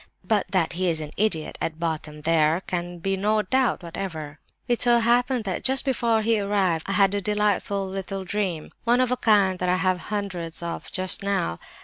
(But that he is an 'idiot,' at bottom there can be no doubt whatever.) It so happened that just before he arrived I had a delightful little dream; one of a kind that I have hundreds of just now.